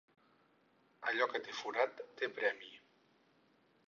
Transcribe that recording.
Allò que té forat, té premi.